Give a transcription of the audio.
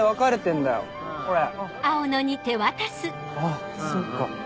あっそっか。